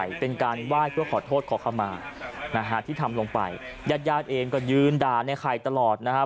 เป็นการไหว้เพื่อขอโทษขอคำมานะฮะที่ทำลงไปญาติญาติเองก็ยืนด่าในไข่ตลอดนะครับ